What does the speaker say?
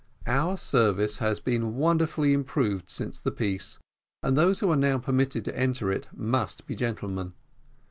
Our service has been wonderfully improved since the peace, and those who are now permitted to enter it must be gentlemen.